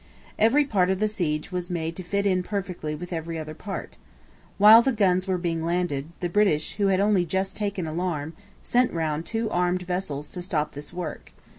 Every part of the siege was made to fit in perfectly with every other part. While the guns were being landed, the British, who had only just taken alarm, sent round two armed vessels to stop this work.